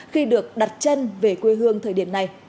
khi được đặt chân về quê hương thời điểm này